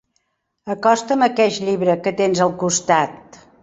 Acosta'm aqueix llibre que tens al costat.